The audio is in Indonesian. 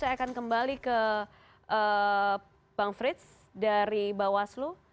saya akan kembali ke bang frits dari bawaslu